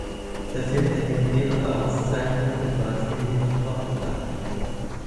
Der Film erhielt mehrere Auszeichnungen in Brasilien und Portugal.